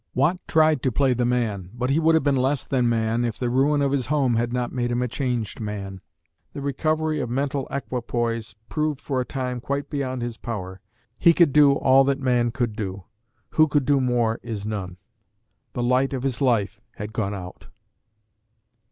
Watt tried to play the man, but he would have been less than man if the ruin of his home had not made him a changed man. The recovery of mental equipoise proved for a time quite beyond his power. He could do all that man could do, "who could do more is none." The light of his life had gone out.